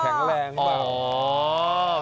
แข็งแรงเปล่า